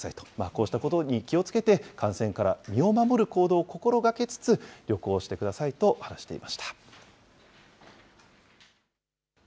こうしたことに気をつけて、感染から身を守る行動を心がけつつ、旅行してくださいと話していました。